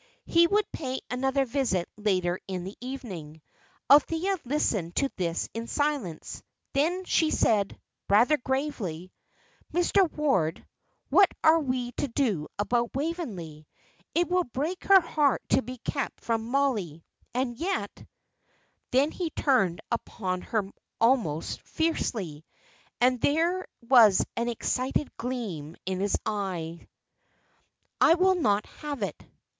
He would pay another visit later in the evening. Althea listened to this in silence; then she said, rather gravely, "Mr. Ward, what are we to do about Waveney? It will break her heart to be kept from Mollie; and yet " Then he turned upon her almost fiercely, and there was an excited gleam in his eyes. "I will not have it.